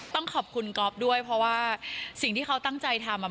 ต้องขอบคุณก๊อฟด้วยเพราะว่าสิ่งที่เขาตั้งใจทำ